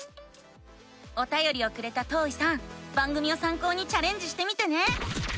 おたよりをくれたとういさん番組をさん考にチャレンジしてみてね！